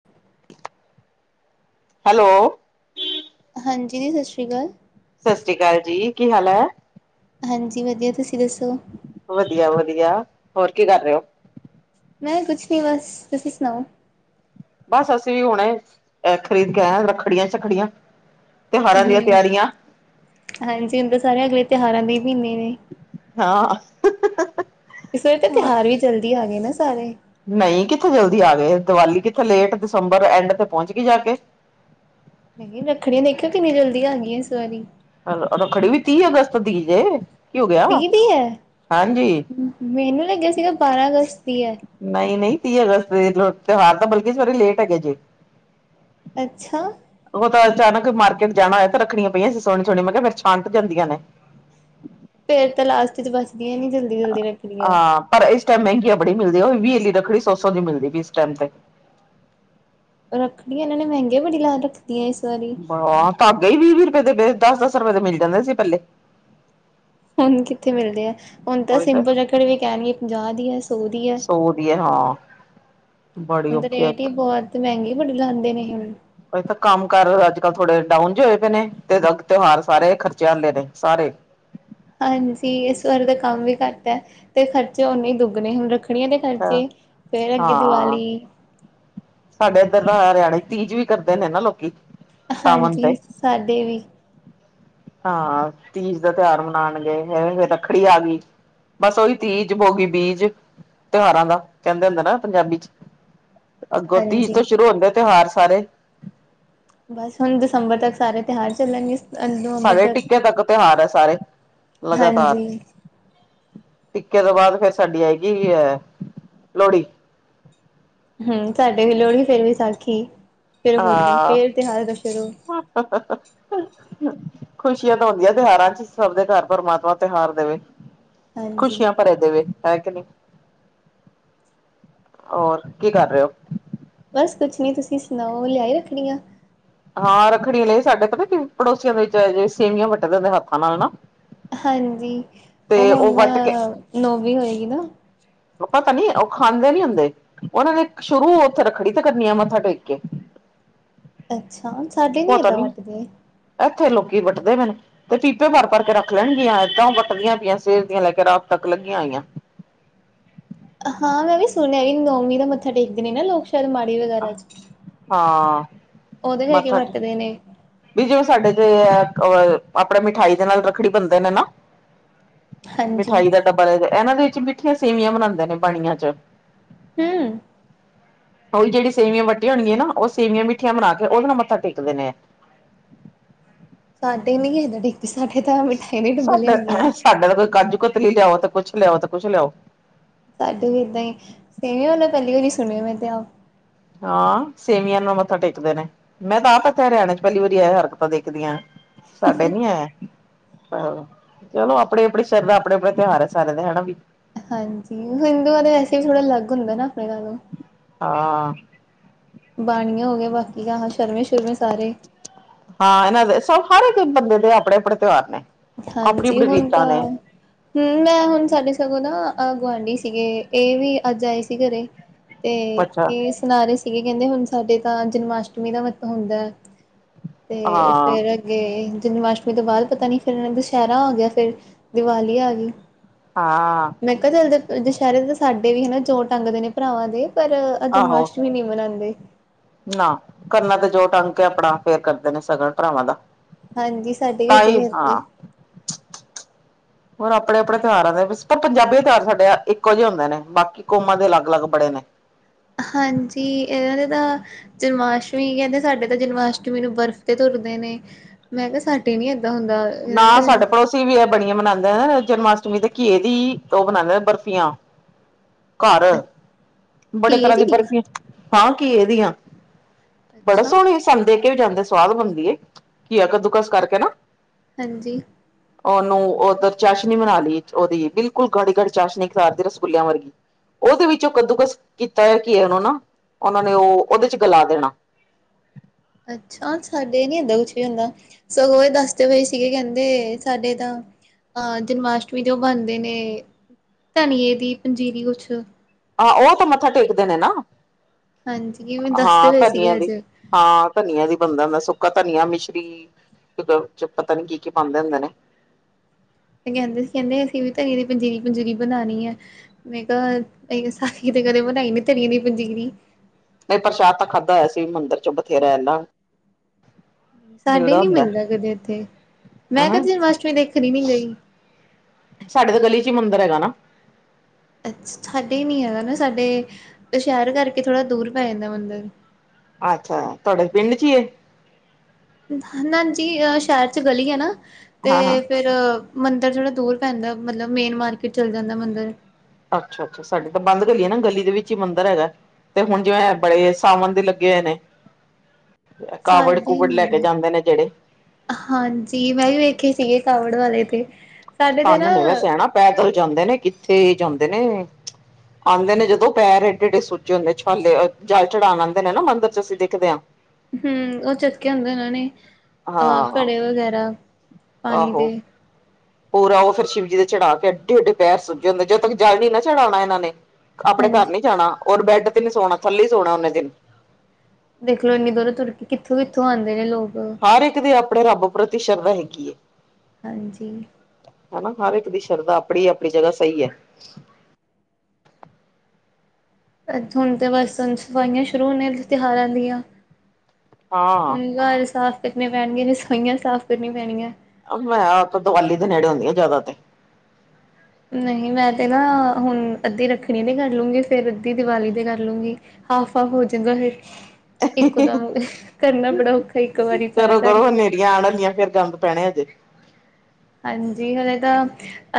[inaudible] Hello. ਹਾਂਜੀ, ਸਤਿ ਸ਼੍ਰੀ ਅਕਾਲ। ਸਤਿ ਸ੍ਰੀ ਅਕਾਲ ਜੀ। ਕੀ ਹਾਲ ਹੈ? ਹਾਂਜੀ ਵਧੀਆ। ਤੁਸੀਂ ਦੱਸੋ? ਵਧੀਆ- ਵਧੀਆ ਹੋਰ ਕੀ ਕਰ ਰਹੇ ਹੋ? ਮੈਂ ਕੁਛ ਨੀ ਬਸ। ਤੁਸੀਂ ਸੁਣਾਓ? ਬਸ ਅਸੀਂ ਵੀ ਹੁਣੇ ਖਰੀਦ ਕੇ ਆਏ ਹਾਂ ਰੱਖੜੀਆਂ ਸ਼ੱਖੜੀਆਂ। ਤਿਉਹਾਰਾਂ ਦੀਆਂ ਹਮ ਤਿਆਰੀਆਂ ਹਾਂਜੀ ਹੁਣ ਸਾਰੇ ਅਗਲੇ ਤਿਉਹਾਰਾਂ ਦੇ ਮਹੀਨੇ ਨੇ। ਹਾਂ। ਇਸ ਵੇ ਤਾਂ ਤਿਉਹਾਰ ਵੀ ਜਲਦੀ ਆ ਗਏ ਨਾ ਸਾਰੇ। ਨਹੀਂ ਕਿੱਥੇ ਜਲਦੀ ਆ ਗਏ, ਦੀਵਾਲੀ ਕਿੱਥੇ ਲੇਟ ਦਸੰਬਰ ਐਂਡ ਤੇ ਪਹੁੰਚ ਗਈ ਜਾ ਕੇ। ਨਹੀਂ ਰੱਖੜੀਆਂ ਦੇਖਿਆ ਕਿੰਨੀ ਜਲਦੀ ਆ ਗਈਆਂ ਇਸ ਵਾਰੀ। ਹੈਲੋ ਰੱਖੜੀ ਵੀ ਤੀਹ ਅਗਸਤ ਦੀ ਜੇ, ਕੀ ਹੋ ਗਿਆ ਵਾ ਤੀਹ ਦੀ ਹੈ ਹਾਂਜੀ। ਮੈਨੂੰ ਲੱਗਿਆ ਸੀਗਾ ਬਾਰਾਂ ਅਗਸਤ ਦੀ ਹੈ। ਨਹੀਂ -ਨਹੀਂ ਤੀਹ ਅਗਸਤ ਤਿਉਹਾਰ ਤਾਂ ਬਲਕਿ ਸਾਰੇ ਲੇਟ ਹੈਗੇ ਜੇ। ਅੱਛਾ। ਉਹ ਤਾਂ ਅਚਾਨਕ ਮਾਰਕੀਟ ਜਾਣਾ ਹੋਆ ਤੇ ਰੱਖੜੀਆਂ ਪਈਆਂ ਸੀ ਸੋਹਣੀ -ਸੋਹਣੀ ਮੈਂ ਕਿਹਾ ਫਿਰ ਛਾਂਟ ਜਾਂਦੀਆਂ ਨੇ। ਫੇਰ ਤਾਂ ਲਾਸਟ ਚ ਬਚਦੀਆਂ ਨੀ ਜਲਦੀ -ਜਲਦੀ ਰੱਖੜੀਆਂ। ਹਾਂ ਪਰ ਇਸ ਟਾਈਮ ਮਹਿੰਗੀਆਂ ਬੜੀ ਮਿਲਦੀ ਹੈ ਵੀਹ ਲੀ ਰੱਖੜੀ ਸੌ -ਸੌ ਦੀ ਮਿਲਦੀ ਵੀ ਇਸ ਟੈਮ ਤੇ। ਰੱਖੜੀਆਂ ਇਹਨਾਂ ਨੇ ਮਹਿੰਗੇ ਬੜੀ ਲਾ ਰੱਖ ਤੀਆਂ ਇਸ ਵਾਰੀ ਆਹ ਧਾਗੇ ਈ ਵੀਹ- ਵੀਹ ਰੁਪਏ ਦੇ ਵੇ, ਦਸ -ਦਸ ਰੁਪਏ ਦੇ ਮਿਲ ਜਾਂਦੇ ਸੀ ਪਹਿਲੇ। ਹੁਣ ਕਿੱਥੇ ਮਿਲਦੇ ਆ। ਹੁਣ ਤਾਂ ਉਹੀ ਤੇ ਸਿੰਪਲ ਰੱਖੜੀ ਵੀ ਕੈਣਗੇ ਪੰਜਾਹ ਦੀ ਐ, ਸੋ ਦੀ ਐ। ਸੋ ਦੀ ਐ ਹਾਂ। ਬੜੀ ਹੁਣ ਤਾ ਔਖੀ ਹੈ। ਰੇਟ ਈ ਬੋਤ ਮ੍ਹੈਂਗੀ ਬੜੇ ਲਾਂਦੇ ਨੇ ਹੁਣ। ਅਜੇ ਤਾਂ ਕੰਮ ਕਾਰ ਆੱਜ-ਕੱਲ ਥੋੜੇ ਡਾਊਨ ਜੇ ਹੋਏ ਪਏ ਨੇ ਤੇ ਤਿਉਹਾਰ ਸਾਰੇ ਖਰਚੇ ਆਲੇ ਨੇ ਸਾਰੇ। ਹਾਂਜੀ, ਇਸ ਵਾਰ ਦਾ ਕੰਮ ਵੀ ਘੱਟ ਐ ਤੇ ਖਰਚੇ ਓਨੇ ਈ ਦੁੱਗਨੇ ਹੁਣ ਰਖ ਰੱਖੜੀਆਂ ਦੇ ਖਰਚੇ ਫੇਰ ਅੱਗੇ ਹਾਂ ਦੀਵਾਲੀ। ਸਾਡੇ ਇੱਧਰ ਦਾ ਹਰਿਆਨੇ ਤੀਜ ਵੀ ਕਰਦੇ ਨੇ ਨਾ ਲੋਕੀ। ਸਾਵਨ ਤੇ ਹਾਂਜੀ, ਸਾਡੇ ਵੀ। ਹਾਂ, ਤੀਜ ਦਾ ਤਿਉਹਾਰ ਮਨਾਨਗੇ ਐਵੇਂ ਫੇਰ ਰੱਖੜੀ ਆ ਗਈ। ਬਸ ਓਹੀ ਤੀਜ ਬੋਗੀ ਬੀਜ। ਤਿਉਹਾਰਾਂ ਦਾ ਕੈਂਦੇ ਹੁੰਦੇ ਨਾ ਪੰਜਾਬੀ ਚ, ਅੱਗੋਂ ਤੀਜ ਹਾਂਜੀ ਤੋਂ ਸ਼ੁਰੂ ਹੁੰਦੇ ਤਿਉਹਾਰ ਸਾਰੇ। ਬਸ ਹੁਣ ਦਿਸੰਬਰ ਤੱਕ ਸਾਰੇ ਤਿਉਹਾਰ ਚੱਲਣਗੇ। ਸਾਡੇ ਟਿੱਕੇ ਤੱਕ ਤਿਉਹਾਰ ਐ ਸਾਰੇ, ਲਗਾਤਾਰ। ਹਾਂਜੀ ਟਿੱਕੇ ਤੋਂ ਬਾਦ ਫਿਰ ਸਾਡੀ ਆਏਗੀ ਅ ਲੋਹੜੀ। ਹੂੰ, ਸਾਡੇ ਵੀ ਲੋਹੜੀ ਫੇਰ ਵੇਸਾਖੀ। ਆਂ ਖੁਸ਼ੀਆਂ ਤਾਂ ਆਉਂਦੀਆਂ ਤੇ ਹੈਨਾ ਸਬ ਦੇ ਘਰ ਪਰਮਾਤਮਾ ਤਿਉਹਾਰ ਦੇਵੇ। ਹਾਂਜੀ ਖੁਸ਼ੀਆਂ ਭਰਿਆ ਦੇਵੇ ਹੈ ਕਿ ਨੀ, ਹੋਰ ਕੀ ਕਰ ਰੇ ਓ? ਬਸ ਕੁਛ ਨੀ ਤੁਸੀਂ ਸੁਣਾਓ ਲਿਆਈ ਰੱਖੜੀਆਂ। ਹਾਂ ਰੱਖੜੀਆਂ ਲਏ ਸਾਡੇ ਪਤਾ ਕੀ ਪੜੋਸੀਆਂ ਦੇ ਵਿੱਚ ਜੇ ਸੇਵੀਆਂ ਵੱਟਦੇ ਹੁੰਦੇ ਆ ਹੱਥਾਂ ਨਾਲ ਨਾ ਹਾਂਜੀ, ਓ ਤੇ ਉਹ ਹੁਣ ਵੱਟ ਕੇ ਨੌਵੀਂ ਹੋਏਗੀ ਨਾ। ਓ ਪਤਾ ਨੀ ਓ ਖਾਂਦੇ ਨੀ ਹੁੰਦੇ। ਓਨਾਂ ਨੇ ਸ਼ੁਰੂ ਓੱਥੇ ਰਖੜੀ ਤੇ ਕਰਨੀ ਆ ਮੱਥਾ ਟੇਕ ਕੇ। ਅੱਛਾ! ਸਾਡੇ ਨੀ ਏਦਾਂ ਵਟਦੇ। ਐੱਥੇ ਲੋਕੀ ਵੱਟਦੇ ਪਏਨ। ਓ ਪੀਪੇ ਭਰ-ਭਰ ਕੇ ਰੱਖ ਲੈਣਗੀਆਂ ਇਦਾਂ ਵਟਦੀਆਂ ਪਈਆਂ ਸਵੇਰ ਦੀਆਂ ਲੈ ਕੇ ਰਾਤ ਤੱਕ ਲੱਗੀਆਂ ਹੋਈਆਂ। ਹਾਂ ਮੈਂ ਵੀ ਸੁਣਿਆ ਵੀ ਨੌਵੀਂ ਦਾ ਮੱਥਾ ਟੇਕਦੇ ਨੇ ਨਾ ਲੋਕ। ਚੱਲ ਮਾੜੀ ਵੇ ਗੱਲ ਏਚ ਹਾਂ ਓਦੇ ਲਈ ਕੀ ਮੱਥਾ ਟੇਕ ਵਟਦੇ ਨੇ। ਵੀ ਜੇ ਓ ਸਾਡੇ ਤੇ ਐ ਅਪਨੇ ਮਿਠਾਈ ਦੇ ਨਾਲ ਰੱਖੜੀ ਬੰਨਦੇ ਨੇ ਨਾ। ਹਾਂਜੀ, ਮਿਠਾਈ ਦਾ ਡੱਬਾ ਲੈਜੇ, ਐਨਾਂ ਦੇ ਵਿੱਚ ਮਿੱਠੀਆਂ ਸੇਵੀਆਂ ਬਨਾੰਦੇ ਨੇ ਬਾਨੀਆਂ ਚ ਹੂੰ। ਓ ਈ ਜੇੜੀ ਸੇਵੀਆਂ ਵੱਟੀਆ ਹੋਨਗੀਆਂ ਨਾ ਓ ਸੇਵੀਆਂ ਮਿੱਠੀਆਂ ਬਨਾ ਕੇ ਓਦੇ ਨਾਲ ਮੱਥਾ ਟੇਕਦੇ ਨੇ ਐ। ਸਾਡੇ ਨੀ ਹੈਦਾ ਡਿੱਕਦੀ ਸਾਡੇ ਤਾਂ ਮਿਠਾਈ ਦਾ ਈ ਡੱਬਾ ਸਾਡਾ ਲਿਆਂਦਾ ਗਾ। ਸਾਡਾ ਤਾਂ ਕੋਈ ਕਾਜੁ-ਕਤਲੀ ਲਿਆਓ ਤੇ ਕੁੱਛ ਲਿਆਓ ਤੇ ਕੁੱਛ ਲਿਆਓ। ਸਾਡੇ ਵੀ ਏਦਾਂ ਈ ਸੇਵੀਆਂ ਹੋਨਾ ਪੈਲੀ ਵਾਰੀ ਸੁਣਿਆ ਮੈਂ ਤੇ ਆਪ ਹਾਂ, ਸੇਵੀਆਂ ਨੂੰ ਮੱਥਾ ਟੇਕਦੇ ਨੇ ਮੈਂ ਤਾਂ ਆਪ ਇੱਥੇ ਹਰਿਆਣੇ ਚ ਪੈਲੀ ਵਾਰੀ ਐ ਹਰਕਤਾਂ ਦੇਖਦੀ ਆ। ਸਾਡੇ ਨੀ ਹੈ। ਚਲੋ, ਚਲੋ ਅਪਨੀ-ਅਪਨੀ ਸ਼ਰਦਾ ਅਪਨੇ-ਅਪਨੇ ਤਿਉਹਾਰ ਹੈ ਸਾਰਿਆਂ ਦੇ ਹੈਨਾ ਵੀ ਹਾਂਜੀ, ਹਿੰਦੂਆਂ ਦੇ ਵੈਸੇ ਵੀ ਥੋੜ੍ਹਾ ਅਲੱਗ ਹੁੰਦਾ ਨਾ ਅਪਨੇ ਨਾਲੋਂ। ਹਾਂ। ਬਾਣੀਆਂ ਹੋ ਗਏ ਬਾਕੀ ਆਹ ਸ਼ਰਮੇ-ਸ਼ੁਰਮੇ ਸਾਰੇ। ਹਾਂ, ਇਨਾਂ ਦੇ ਸਬ ਹਰ ਇੱਕ ਬੰਦੇ ਦੇ ਅਪਨੇ-ਅਪਨੇ ਤਿਉਹਾਰ ਨੇ। ਆਪਣੀ ਹਾਂਜੀ ਆਪਣੀ ਹੁਣ ਰੀਤਾਂ ਤਾਂ ਨੇ ਹੂੰ, ਮੈਂ ਹੁਣ ਸਾਡੇ ਸਗੋਂ ਨਾ ਅ ਗੁਆਂਢੀ ਸੀਗੇ ਏ ਵੀ ਆੱਜ ਆਏ ਸੀਗੇ ਘਰੇ। ਤੇ ਅੱਛਾ ਇਹ ਸੁਨਾਰੇ ਸੀਗੇ ਕਹਿੰਦੇ ਹੁਣ ਸਾਡੇ ਤਾਂ ਜਨਮਾਸ਼ਟਮੀ ਦਾ ਮੰਥਾ ਹੁੰਦਾ। ਤੇ ਹਾਂ ਫਿਰ ਅੱਗੇ ਜਨਮਾਸ਼ਟਮੀ ਤੋਂ ਬਾਅਦ ਪਤਾ ਨੀ ਫਿਰ ਦੁਸਹਿਰਾ ਆ ਗਿਆ ਤੇ, ਫਿਰ ਦੀਵਾਲੀ ਆ ਗੀ। ਹਾਂ‌। ਮੈਂ ਕਿਹਾ ਦੁਸਹਿਰੇ ਤਾਂ ਸਾਡੇ ਵੀ ਹਨਾ ਜ਼ੋ ਟੰਗਦੇ ਭਰਾਵਾਂ ਦੇ ਪਰ ਆ ਆਹ ਆਹੋ ਜਨਮਾਸ਼ਟਮੀ ਨੀ ਮਨਾਦੇ। ਨਾ ਕੰਨਾ ਤੇ ਜੋ ਟੰਗ ਕੇ ਆਪਣਾ ਫੇਰ ਕਰਦੇ ਨੇ ਸ਼ਗਨ ਭਰਾਵਾਂ ਦਾ। ਹਾਂਜੀ ਸਾਡੇ ਵੀ ਏਦਾਂ ਭਾਈ ਹੀ ਕਰਦੇ। ਹਾਂ ਚ ਚ ਚ ਹੋਰ ਆਪਣੇ ਆਪਣੇ ਤਿਉਹਾਰਾਂ ਦੇ ਵਿੱਚ ਪਰ ਪੰਜਾਬੀ ਤਿਉਹਾਰ ਸਾਡੇ ਇੱਕੋ ਜਿਹੇ ਹੁੰਦੇ ਨੇ ਬਾਕੀ ਕੌਮਾਂ ਦੇ ਅਲੱਗ ਅਲੱਗ ਬੜੇ ਨੇ। ਹਾਂਜੀ ਇਨਾ ਦੇ ਤਾਂ ਜਨਮਾਸ਼ਟਮੀ ਕਹਿੰਦੇ ਸਾਡੇ ਤਾਂ ਜਨਮਾਸ਼ਟਮੀ ਨੂੰ ਬਰਫ਼ ਤੇ ਤੁਰਦੇ ਨੇ। ਮੈਂ ਕਿਹਾ ਸਾਡੇ ਏਦਾਂ ਹੁੰਦਾ। ਨਾ ਇਹਨਾਂ ਦੇ ਤਾਂ ਸਾਡੇ ਕਹਿੰਦੇ ਪੜੋਸੀ ਵੀ ਇਹ ਬੜੀਆਂ ਮਨਾਦੇ ਜਨਮਾਸ਼ਟਮੀ ਦੇ ਘੀ ਦੀ ਈ ਬਰਫੀ਼ਆ। ਘਰ, ਬੜੇ ਤਰ੍ਹਾਂ ਦੀ ਬਰਫ਼ੀਆਂ ਹਾਂ ਘੀਏ ਦੀ ਆਂ ਬੜਾ ਅੱਛਾ ਸੋਹਣੀ ਸਾਨੂੰ ਦੇ ਕੇ ਵੀ ਜਾਂਦੇ ਸਵਾਦ ਬਣਦੀਏ ਘੀਆ ਕੱਦੂਕਸ ਕਰਕੇ ਨਾ। ਹਾਂਜੀ। ਉਹਨੂੰ ਉਧੱਰ ਚਾਸ਼ਨੀ ਬਣਾ ਦਈਏ ਉਹਦੀ ਬਿਲਕੁਲ ਗਾੜੀ ਗਾੜੀ ਚਾਸ਼ਨੀ ਕਰਦੀ ਰਸਗੁੱਲਿਆਂ ਵਾਲੀ ਉਹਦੇ ਵਿੱਚੋਂ ਕੱਦੂਕਸ ਕੀਤਾ ਕੀ ਐ ਘੀਏ ਨੂੰ ਨਾ, ਉਨ੍ਹਾਂ ਉਹ ਦੇ ਵਿੱਚ ਗਲਾ ਦੇਣਾ। ਅੱਛਾ ਸਾਡੇ ਨੀ ਹੁੰਦਾ ਕੁਛ ਵੀ ਹੁੰਦਾ। ਸਗੋਂ ਇਹ ਦੱਸਦੇ ਪਏ ਸੀਗੇ ਕਹਿੰਦੇ ਸਾਡੇ ਤਾਂ ਅਹ ਜਨਮ ਅਸ਼ਟਮੀ ਦੇ ਉਹ ਬਣਦੇ ਨੇ ਧਣੀਏ ਦੀ ਪੰਜੀਰੀ ਕੁਛ ਆਹੋ, ਉਹ ਤਾਂ ਮੱਥਾ ਟੇਕਦੇ ਨੇ ਨਾ। ਹਾਂਜੀ ਕਿਵੇਂ ਦੱਸਦੇ ਪਏ ਸੀਗੇ ਅੱਜ। ਹਾ ਧਣੀਏ ਦੀ ਬਣਦਾ ਸੁੱਕਾ ਧਣੀਆ ਮਿਸ਼ਰੀ। ਚ ਪਤਾ ਨੀ ਕੀ-ਕੀ ਪਾਦੇ ਹੁੰਦੇ ਨੇ। ਤੇ ਕਹਿੰਦੇ ਸੀ ਕਹਿੰਦੇ ਅਸੀਂ ਵੀ ਤੇਰੀ ਦੀ ਪੰਜੀਰੀ ਪੁਜੀਰੀ ਬਣਾਣੀ ਐ। ਮੈਂ, ਕਿਹਾ ਸਾਡੇ ਤਾਂ ਕਦੇ ਬਣਾਈ ਨੀ ਧਣੀਏ ਦੀ ਪੰਜੀਰੀ। ਨਈ ਪ੍ਰਸ਼ਾਦ ਤਾਂ ਖਾਧਾ ਹੋਇਆ ਸੀ ਮੰਦਿਰ ਚੋਂ ਬਥੇਰਾ ਨਾ। ਸਾਡੇ ਨੀ ਮਿਲਦਾ ਕਦੇ, ਇੱਥੇ ਮੈਂ ਹਮ ਜਨਮ ਅਸ਼ਟਮੀ ਦੇਖਣ ਨੀ ਗਈ। ਸਾਡੇ ਤਾਂ ਗਲੀ ਚ ਈ ਮੰਦਰ ਹੈਗਾ ਨਾ। ਅੱਛਾ ਸਾਡੇ ਨਹੀਂ ਹੈਗਾ ਨਾ ਸਾਡੇ ਸ਼ਹਿਰ ਕਰਕੇ ਥੋੜ੍ਹਾ ਦੂਰ ਪੈ ਜਾਂਦਾ ਮੰਦਿਰ। ਅੱਛਾ, ਤੁਹਾਡੇ ਪਿੰਡ ਚ ਈ ਐ? ਨਾਜੀ, ਆ ਸ਼ਹਿਰ ਚ ਗਲੀ ਐ ਨਾ ਹਾਂ ਹਾਂ ਤੇ ਫਿਰ ਮੰਦਿਰ ਥੋੜ੍ਹਾ ਦੂਰ ਪੈਂਦਾ ਮਤਲਬ ਮੇਨ ਮਾਰਕੀਟ ਚੱਲ ਜਾਂਦਾ ਮੰਦਿਰ। ਅੱਛਾ-ਅੱਛਾ ਸਾਡੀੇ ਤਾਂ ਬੰਦ ਗਲੀਏ ਨਾ ਗਲੀ ਦੇ ਵਿੱਚ ਈ ਮੰਦਿਰ ਹੈਗਾ ਤੇ ਹੁਣ ਜਿਵੇਂ ਬੜੇ ਸਾਵਣ ਦੇ ਗੇ ਨੇ, ਸਾਡੇ ਕਾਵੜ-ਕੁਵੜ ਨੀ ਲੈ ਕੇ ਗਾ ਜਾਂਦੇ ਨੇ ਜਿਹੜੇ ਹਾਂਜੀ, ਮੈਂ ਵੀ ਵੇਖੇ ਸੀਗੇ ਕਾਵੜ ਵਾਲੇ ਤੇ। ਸਾਡੇ ਤੇ ਕੰਮ ਨਾ ਨੇ ਵੈਸੇ ਪੈਦਲ ਜਾਂਦੇ ਨੇ ਕਿੱਥੇ ਜਾਂਦੇ ਨੇ। ਆਦੇ ਨੇ ਜਦੋਂ ਪੈਰ ਐਡੇ-ਐਡੇ ਸੂਜੇ ਹੁੰਦੇ ਨੇ ਛਾਲੇ ਜ਼ਲ ਚੜ੍ਹਾਉਣ ਆਦੇ ਨੇ ਨਾ ਮੰਦਿਰ ਚ੍ਹ ਅਸੀਂ ਦੇਖਦੇ ਆ। ਹੂੰ ਉਹ ਚੱਕੇ ਹੁੰਦੇ ਉਹ ਨੇ ਅਹ ਹਾਂ ਘੜ੍ਹੇ ਵਗੈਰਾ ਪਾਣੀ ਆਹੋ ਦੇ। ਪੂਰਾ ਉਹ ਫਿਰ ਸ਼ਿਵ ਜੀ ਚੜਾ ਕੇ ਅਡੇ ਅੱਡੇ ਪੈਰ ਸੁੱਜੇ ਹੁੰਦਾ ਨੇ ਜਦੋਂ ਤੱਕ ਜ਼ਲ ਨੀ ਨਾ ਚੜ੍ਹਾਣਾ ਇਹਨਾਂ ਨੇ ਆਪਣੇ ਘਰ ਹਾਂਜੀ ਨੀ ਜਾਣਾ ਔਰ ਬੈੱਡ ਤੇ ਨੀ ਸੋਣਾ ਥੱਲੇ ਸੋਣਾ ਉਹਨੇ ਦਿਨ। ਦੇਖਲੋ ਇੰਨ੍ਹੀ ਦੂਰੋਂ ਤੁਰ ਕੇ ਕਿੱਥੋ-ਕਿੱਥੋ ਆਦੇ ਨੇ ਲੋਕ। ਹਰ ਇੱਕ ਦੀ ਆਪਣੇ ਰੱਬ ਪ੍ਰਤੀ ਸ਼ਰਧਾ ਹੈਗੀ ਐ। ਹਾਂਜੀ। ਹਨਾ ਹਰ ਇੱਕ ਦੀ ਸ਼ਰਧਾ ਆਪਣੀ- ਆਪਣੀ ਜਗ੍ਹਾ ਸਹੀ ਹੈ। ਇੱਥੋਂ ਹੁਣ ਤੇ ਬਸ ਸਫਾਈਆਂ ਸ਼ੁਰੂ ਨੇ ਤਿਉਹਾਰਾਂ ਦੀਆਂ। ਹਾਂ ਹੁਣ ਘਰ ਸਾਫ਼ ਕਰਨੇ ਪੈਣਗੇ ਰਸੋਈਆਂ ਸਾਫ਼ ਕਰਨੀਆਂ ਪੈਣੀਐ। ਹਾਂ ਆ ਦੀਵਾਲੀ ਦੇ ਨੇੜੇ ਹੁੰਂਦੀਆਾਂ ਜ਼ਿਆਦਾ ਤੇ। ਨਹੀਂ ਮੈਂ ਤੇ ਨਾ ਹੁਣ ਅੱਧੀ ਰੱਖੜੀ ਤੇ ਕਰ ਲੂਗੀ ਫੇਰ ਅੱਧੀ ਦੀਵਾਲੀ ਤੇ ਕਰ ਲੂਗੀ। ਹਾਫ- ਹਾਫ ਹੋ ਜੇ ਗਾ ਫਿਰ। ਇੱਕ ਦਮ ਕਰਨਾ ਬੜਾ ਔਖਾ ਇੱਕ ਵਾਰੀ ਸਾਰਾ ਘਰ। ਤੀਆਂ ਆਉਣ ਵਾਲੀਆਂ ਫੇਰ ਗੰਦ ਪੈਣਾ ਹਜੇ। ਹਾਂਜੀ ਹਲੇੇ ਤਾਂ।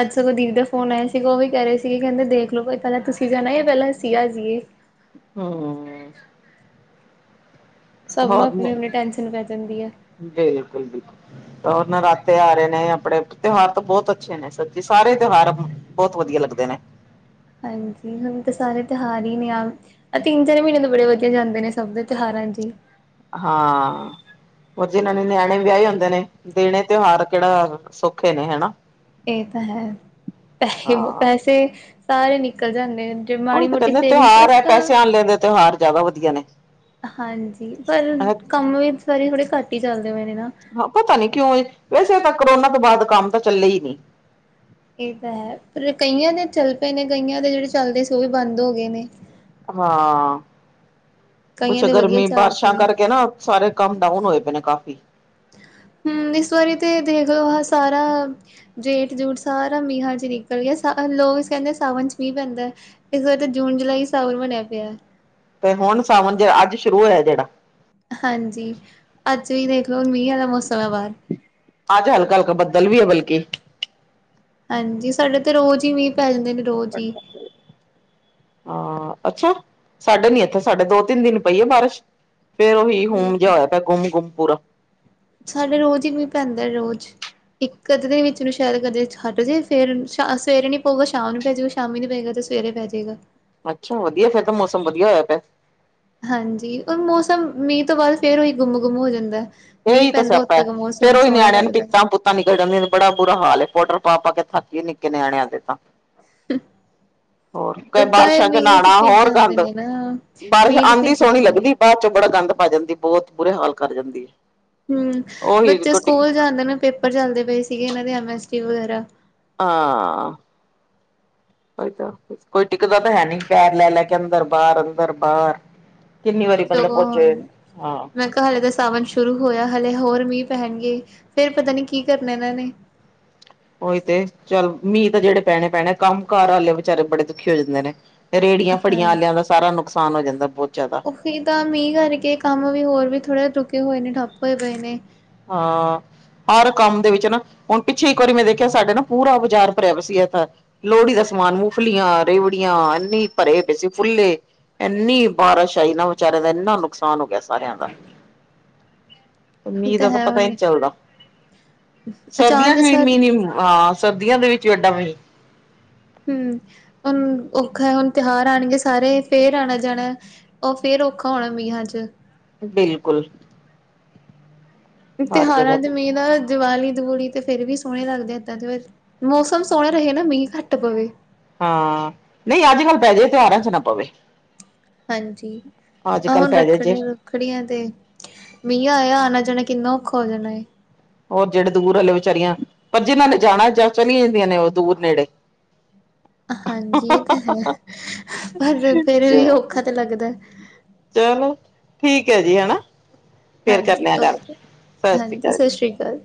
ਅੱਜ ਜਦੋਂ ਦੀਦੀ ਦਾ ਫੋਨ ਆਇਆ ਸੀਗਾ ਉਹ ਵੀ ਕਹ ਰਹੇ ਸੀਗੇ ਕਹਿੰਦੇ ਦੇਖ ਲੋ ਪਹਿਲਾਂ ਤੁਸੀਂ ਜਾਣਾ ਯਾ ਪਹਿਲਾਂ ਅਸੀਂ ਆ ਜਾਈਏ। ਹਮ। ਸਭ ਨੂੰ ਹੋਰ ਆਪਣੀ- ਆਪਣੀ ਟੈਂਸ਼ਨ ਪੈ ਜਾਂਦੀ ਆ। ਬਿਲਕੁਲ-ਬਿਲਕੁਲ। ਹੋਰ ਨਰਾਤੇ ਆ ਰਹੇ ਨੇ ਆਪਣੇ ਤਿਉਹਾਰ ਤਾਂ ਬਹੁਤ ਅੱਛੇ ਨੇ ਸੱਚੀ ਸਾਰੇ ਤਿਉਹਾਰ। ਬਹੁਤ ਵਧੀਆ ਲੱਗਦੇ ਨੇ। ਹਾਂਜੀ ਹੁਣ ਤਾਂ ਸਾਰੇ ਤਿਉਹਾਰ ਹੀ ਨੇ। ਇਹ ਤਿੰਨ ਚਾਰ ਮਹੀਨੇ ਤੋਂ ਬੜੇ ਵਧੀਆ ਜਾਂਦੇ ਨੇ ਸਭ ਦੇ ਤਿਉਹਾਰਾਂ ਚੀ। ਹਾਂ। ਹੋਰ ਜਿੰਨਾ ਨੇ ਨਿਆਣੇ ਵਿਆਏ ਹੁੰਦੇ ਨੇ ਦੇਣੇ ਤਿਉਹਾਰ ਕਿਹੜਾ ਸੌਖੇ ਨੇ ਹਨਾ। ਇਹ ਤਾਂ ਹੈ ਪੈਸੇ ਹਾਂ ਪੈਸੇ ਸਾਰੇ ਨਿਕਲ ਜਾਂਦੇ ਨੇ। ਤੇ ਉਹੀ ਤਾਂ ਮਾੜੀਮੋਟੀ ਕਹਿੰਦੇ ਤਿਉਹਾਰ ਸੇਵਿੰਗਸ। ਹੈ ਪੈਸੇ ਆਣ ਲੈਂਦੇ ਤਿਉਹਾਰ ਜ਼ਿਆਦਾ ਵਧੀਆ ਨੇ। ਹਾਂਜੀ ਪਰ ਕੰਮ ਵੀਚ ਥੜੇ ਘਾਟੇ ਚੱਲਦੇ ਪਏ ਨੇ ਨਾ। ਹਾਂ ਪਤਾ ਨੀ ਕਿਉਂ ਏ ਵੈਸੇ ਤਾਂ ਕਰੋਨਾ ਤੋਂ ਬਾਅਦ ਕੰਮ ਤਾਂ ਚਲੇ ਹੀ ਨਹੀਂ। ਇਹ ਤਾਂ ਹੈ ਪਰ ਕਈਆਂ ਦੇ ਚੱਲ ਪਏ ਨੇ ਕਈਆਂ ਦੇ ਜਿਹੜੇ ਚੱਲਦੇ ਸੀ ਉਹ ਵੀ ਬੰਦ ਹੋ ਗਏ ਨੇ। ਹਾਂ ਕਈਆਂ ਕੁਛ ਦੇ ਵਧੀਆ ਗਰਮੀ ਚੱਲ ਬਾਰਿਸ਼ਾਂ ਪਏ ਕਰਕੇ ਨਾ। ਸਾਰੇ ਕੰਮ ਡਾਊਨ ਹੋਏ ਪਏ ਨੇ ਕਾਫੀ। ਹਮ ਇਸ ਵਾਰੀ ਤੇ ਦੇਖ ਲਓ ਆਹ ਸਾਰਾ। ਜੇਠ ਜੂਠ ਸਾਰਾ ਮੀਂਹਾਂ ਚ ਨਿਕਲ ਗਿਆ ਲੋਕ ਕਹਿੰਦੇ ਸਾਵਨ ਚ ਮੀਂਹ ਪੈਂਦਾ ਹੈ। ਇਸ ਵਾਰ ਤਾਂ ਜੂਨ ਜੁਲਾਈ ਸਾਵਨ ਬਣਿਆ ਪਿਆ। ਤੇ ਹੁਣ ਸਾਵਣ ਜਿਹੜਾ ਅੱਜ ਸ਼ੁਰੂ ਹੋਇਆ ਜਿਹੜਾ। ਹਾਂਜੀ ਅੱਜ ਵੀ ਦੇਖ ਲੋ ਹੁਣ ਮੀਂਹ ਵਾਲਾ ਮੌਸਮ ਹੈ ਬਾਹਰ। ਅੱਜ ਹਲਕਾ ਹਲਕਾ ਬੱਦਲ ਵੀ ਹੈ ਬਲਕਿ। ਹਾਂਜੀ ਸਾਡੇ ਤੇ ਰੋਜ਼ ਹੀ ਮੀਂਹ ਪੈਂਦੇ ਨੇ। ਪ ਰੋਜ਼ ਹੀ। [unintelligible] ਹਾਂ ਅੱਛਾ ਸਾਡੇ ਨੀ ਇੱਥੇ ਸਾਡੇ ਦੋ ਤਿੰਨ ਦਿਨ ਪਈ ਏ ਬਾਰਿਸ਼। ਫੇਰ ਉਹੀ ਨਹੀਂ, ਹੁਮ ਜਿਹਾ ਹੋਇਆ ਪਿਆ ਗੁੰਮ ਗੁੰਮ ਪੂਰਾ। ਸਾਡੇ ਰੋਜ਼ ਹੀ ਮੀਂਹ ਪੈਂਦਾ ਰੋਜ਼। ਇੱਕ ਅਦੇ ਦਿਨ ਵਿੱਚ ਨੂੰ ਸ਼ਾਇਦ ਕਦੇ ਛੱਡ ਜੇ ਫੇਰ ਸਵੇਰੇ ਨੀ ਪਊਗਾ ਸ਼ਾਮ ਨੂੰ ਪੈਜਊਗਾ। ਸ਼ਾਮੀ ਨੀ ਪਏਗਾ ਤੇ ਸਵੇਰੇ ਪੈ ਜਾਏਗਾ। ਅੱਛਾ ਵਧੀਆ ਫਿਰ ਤਾਂ ਮੌਸਮ ਵਧੀਆ ਹੋਇਆ ਪਿਆ। ਹਾਂਜੀ ਔਰ ਮੌਸਮ ਮੀਂਹ ਤੋਂ ਬਾਅਦ ਫੇਰ ਉਹੀ ਗੁੰਮ ਗੁੰਮ ਹੋ ਜਾਂਦਾ। ਮੀਂਹ ਇਹੀ ਤਾਂ ਪੈਂਦਾ ਉਦ ਸਿਆਪਾ ਹੈ ਤੱਕ ਮੌਸਮ ਫੇਰ ਉਹੀ ਸੋਹਣਾ ਨਿਆਣਿਆਂ ਨੂੰ ਲੱਗਦਾ। ਪੀਤਾਂ। ਪੀਤਾਂ ਨਿਕਲ ਜਾਂਦੀ ਐ ਬੜਾ ਬੁਰਾ ਹਾਲ ਐ ਪਾਊਡਰ ਪਾ ਪਾ ਕੇ ਥੱਕ ਗੀ ਨਿੱਕੇ ਨਿਆਣਿਆਂ ਦੇ ਤਾਂ। ਹੱ ਹੋਰ [inaudible] ਲੱਗਦੈ ਬਾਰਿਸ਼ਾਂ ਮੀਂਹ ਚ ਨਹਾਣਾ ਭਿੱਜ ਹੋਰ ਜਾਂਦੇ ਗੰਦ ਨੇ ਨਾ, ਬਾਰਿਸ਼ ਮੀਂਹ ਚ ਆਂਦੀ ਸੋਹਣੀ ਭਿੱਜਦੇ ਨੇ। ਲੱਗਦੀ ਬਾਅਦ ਚੋਂ ਬੜਾ ਗੰਦ ਪਾ ਜਾਂਦੀਏ, ਬੋਤ ਬੁੁਰੇ ਹਾਲ ਕਰ ਜਾਂਦੀ। ਹੂੰ, ਉਹੀ ਬੱਚੇ ਕੋਈ ਟਿਕ ਸਕੂਲ ਜਾਂਦੇ ਨੇ ਪੇਪਰ ਚੱਲਦੇ ਪਏ ਸੀਗੇ ਏਨਾਂ ਦੇ ਐਮਐਸਸੀ ਵਗੈਰਾ। ਹਾਂ, ਓਈ ਤਾਂ। ਕੋਈ ਟਿਕਦਾ ਤਾਂ ਹੈਨੀ, ਪੈਰ ਲੈਲੈ ਕੇ ਅੰਦਰ-ਬਾਰ, ਅੰਦਰ-ਬਾਰ। ਕਿੰਨੀ ਵਾਰੀ ਬੰਦਾ ਪੋਚੇ, ਆ। ਹੱਲੇ ਤਾਂ ਸਾਵਣ ਸ਼ੁਰੂ ਹੋਯਾ, ਹਲੇੇ ਹੋਰ ਮੀਂਹ ਪੈਂਨਗੇ ਫੇਰ ਪਤਾ ਨੀ ਕੀ ਕਰਨਾ ਏਨਾਂ ਨੇ। ਓਈ ਤੇ ਚਲ, ਮੀਂਹ ਤਾਂ ਜੇੜੇ ਪੈਣੇ ਪੈਣੇ ਕੰਮ ਕਾਰ ਵਾਲੇ ਵਿਚਾਰੇ ਬੜੇ ਦੁਖੀ ਹੋ ਜਾਂਦੇ ਨੇ। ਰੇੜੀਆਂ ਫੜੀਆਂ ਆਲਿਆਂ ਦਾ ਸਾਰਾ ਨੁਕਸਾਨ ਹੋ ਜਾਂਦਾ, ਬੋਤ ਜਾਦਾ। ਸੀ ਤਾਂ ਮੀਂਹ ਕਰਕੇ ਕੰਮ ਵੀ ਹੋਰ ਵੀ ਥੋੜ੍ਹੇ ਰੁਕੇ ਹੋਏ ਨੇ ਠੱਪ ਹੋਏ ਪਏ ਨੇ। ਹਾਂ। ਹਰ ਕੰਮ ਦੇ ਵਿੱਚ ਨਾ ਹੁਣ, ਪਿੱਛੇ ਇੱਕ ਵਾਰੀ ਮੈਂ ਦੇਖਿਆ ਸਾਡੇ ਨਾ ਪੂਰਾ ਬਾਜਾਰ ਪਰਿਆ ਪੇਆ ਸੀ ਏਤਾ। ਲੋਹੜੀ ਦਾ ਸਮਾਨ ਮੂੰਗਫਲੀਆਂ, ਰੇਵੜੀਆਂ ਇੰਨੀ ਭਰੇ ਪਏ ਸੀ ਫੁੱਲੇ। ਏੰਨੀ ਬਾਰਿਸ਼ ਆਈ ਨਾ ਵਿਚਾਰਿਆਂ ਦਾ ਏਨਾ ਨੁਕਸਾਨ ਹੋ ਗਯਾ ਸਾਰਿਆਂ ਦਾ। ਇਹ ਮੀਂਹ ਤਾਂ ਦਾ ਹੈ ਪਤਾ ਈ ਹੁਣ ਨੀ ਚੱਲਦਾ, ਸਰਦੀਆਂ ਅਚਾਨ ਚ ਇਸ ਵੀ ਵਾਰ ਮੀਂਹ ਨੀ ਹਾਂ ਸਰਦੀਆਂ ਦੇ ਵਿੱਚ ਜੀ ਵੱਡਾ ਬਾਈ ਹੂੰ ਹੁਣ ਔਖੈ, ਹੁਣ ਤਉਹਾਰ ਆਣਗੇ ਸਾਰੇ ਫੇਰ ਆਣਾ-ਜਾਣਾ ਓ ਫੇਰ ਔਖਾ ਹੋਣਾ, ਮੀਹਾਂ ਚ। ਬਿਲਕੁੱਲ। ਜਗ੍ਹਾ ਤਉਹਾਰਾਂ ਚ ਤੇ ਮੀਂਹ ਦਾ ਦੀਵਾਲੀ-ਦਵੁਲੀ ਤੇ ਫੇਰ ਵੀ ਸੋਹਣੇ ਲੱਗਦੇ, ਏਦਾਂ ਦੇ ਮੌਸਮ ਸੋਹਣਾ ਰਹੇ ਨਾ ਮੀਂਹ ਘੱਟ ਪਵੇ। ਹਾਂ ਨਈਂ ਅੱਜ-ਕੱਲ ਪੈਜੇ, ਤਉਹਾਰਾਂ ਚ ਨਾ ਪਵੇ। ਹਾਂਜੀ, ਅੱਜ ਆਹ ਕੱਲ੍ਹ ਹੁਣ ਪੈ ਜੇ ਜੇ ਰੱਖਣੀ ਰੱਖੜੀਆਂ ਤੇ ਮੀਂਹ ਆਇਆ, ਆਣਾ-ਜਾਣਾ ਕਿੰਨਾ ਔਖਾ ਹੋ ਜਾਣਾ ਏ। ਓ ਜੇੜੇ ਦੂਰ ਵਾਲੀ ਵਿਚਾਰੀਆਂ ਪਰ ਜੀਨਾਂ ਨੇ ਜਾਣਾ ਜਾਂ ਚਲੀਆਂ ਜਾਂਦੀਆਂ ਨੇ ਓ ਦੂਰ ਨੇੜੇ। [inaudible] ਹਾਂਜੀ ਏ ਤਾਂ ਹੈ ਪਰ ਤੇਰੇ ਲਈ ਔਖਾ ਤੇ ਲੱਗਦੈ। ਚੱਲੋ ਠੀਕ ਐਜੀ, ਹੈਨਾ ਫੇਰ ਕਰਨੇ ਹਾਂਜੀ ਆਂ ਗੱਲ, ਓਕੇ ਸਤਿ ਸ੍ਰੀ ਹਾਂਜੀ ਅਕਾਲ ਸਤਿ ਜੀ। ਸ਼੍ਰੀ ਅਕਾਲ।